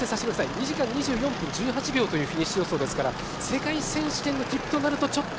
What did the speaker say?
２時間２４分１８秒というフィニッシュ予想ですから世界選手権の切符となるとちょっと。